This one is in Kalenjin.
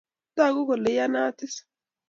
Tagukole iyanit is?